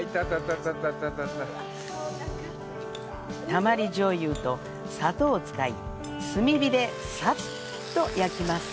たまり醤油と砂糖を使い、炭火でサッと焼きます。